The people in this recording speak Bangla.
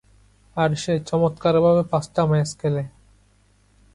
আর সে চমৎকারভাবে পাঁচটা ম্যাচ খেলে!